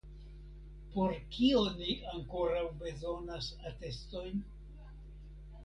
Por kio ni ankoraŭ bezonas atestojn?